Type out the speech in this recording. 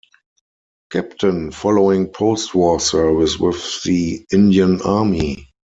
Captain following post war service with the Indian Army.